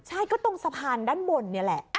ใช่ก็ตรงสะพานด้านบนนี่แหละ